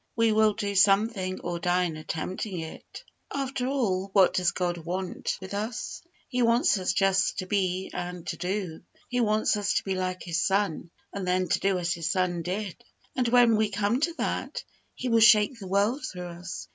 We will do something, or die in attempting it. After all, what does God want with us? He wants us just to be and to do. He wants us to be like His Son, and then to do as His Son did; and when we come to that, He will shake the world through us.